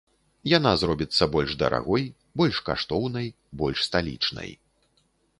Яна зробіцца больш дарагой, больш каштоўнай, больш сталічнай.